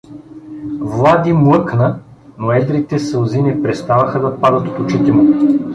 Влади млъкна, но едрите сълзи не преставаха да падат от очите му.